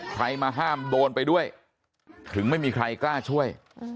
ใครมาห้ามโดนไปด้วยถึงไม่มีใครกล้าช่วย